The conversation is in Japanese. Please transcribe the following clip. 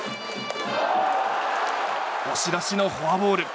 押し出しのフォアボール。